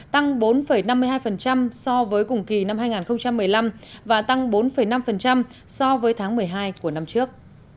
tăng bốn năm mươi hai so với cùng kỳ năm hai nghìn một mươi năm và tăng bốn năm so với tháng một mươi hai của năm trước